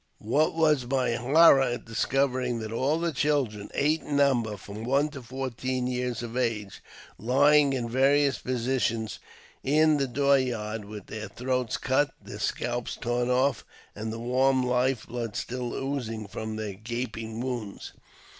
What was my horror at discovering all the children, eight in number, from one to fourteen years of age, lying in various positions in the door yard with their throats cut, their scalps torn off, and the warm Life blood still oozing from their gaping wounds